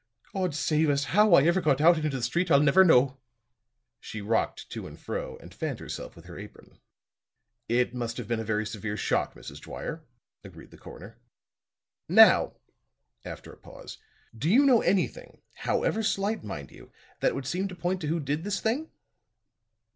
God save us, how I ever got out into the street, I'll never know." She rocked to and fro and fanned herself with her apron. "It must have been a very severe shock, Mrs. Dwyer," agreed the coroner. "Now," after a pause, "do you know anything however slight, mind you that would seem to point to who did this thing?"